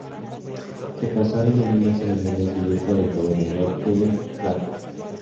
Se casaron en una ceremonia civil por el gobernador William Bradford.